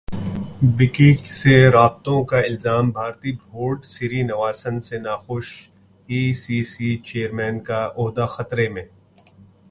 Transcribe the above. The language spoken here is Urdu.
بکی سے رابطوں کا الزام بھارتی بورڈ سری نواسن سے ناخوش ئی سی سی چیئرمین کا عہدہ خطرے میں